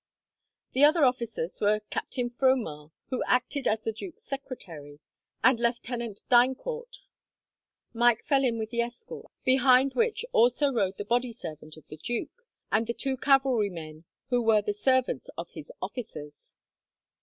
The other officers were Captain Fromart, who acted as the duke's secretary, and Lieutenant d'Eyncourt. Mike fell in with the escort, behind which also rode the body servant of the duke, and the two cavalry men who were the servants of his officers.